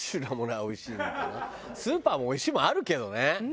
スーパーもおいしいものあるけどね。